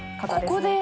ここで？